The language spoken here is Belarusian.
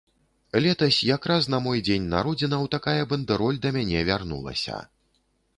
Летась якраз на мой дзень народзінаў такая бандэроль да мяне вярнулася.